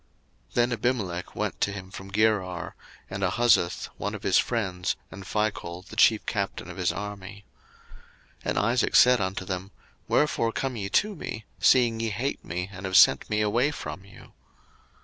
01:026:026 Then Abimelech went to him from Gerar, and Ahuzzath one of his friends, and Phichol the chief captain of his army. 01:026:027 And Isaac said unto them, Wherefore come ye to me, seeing ye hate me, and have sent me away from you?